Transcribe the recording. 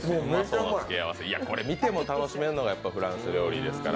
見ても楽しめるのがフランス料理ですから。